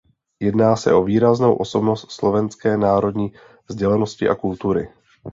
Jedná se o výraznou osobnost slovenské národní vzdělanosti a kultury.